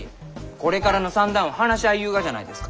これからの算段を話し合いゆうがじゃないですか。